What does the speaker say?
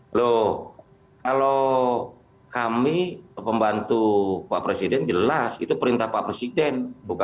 loh kalau kami pembantu pak presiden jelas itu perintah pak presiden